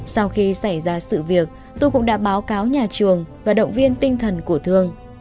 sau khi xảy ra sự việc tôi cũng đã báo cáo nhà trường và động viên tinh thần của thương